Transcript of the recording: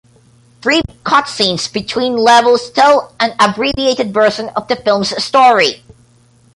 Brief cutscenes between levels tell an abbreviated version of the film's story.